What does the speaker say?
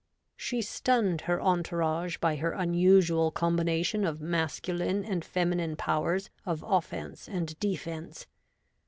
She stunned her entourage by her unusual combination of masculine and feminine powers of offence and defence.